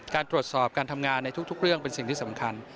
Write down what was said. การตรวจสอบการทำงานในทุกเรื่องเป็นสิ่งที่สำคัญ